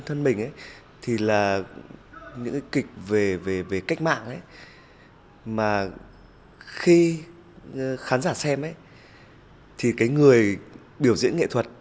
đối với mình thì là những cái kịch về cách mạng mà khi khán giả xem thì cái người biểu diễn nghệ thuật